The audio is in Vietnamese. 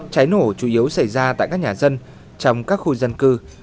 cháy nổ chủ yếu xảy ra tại các nhà dân trong các khu dân cư